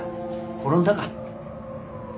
転んだか。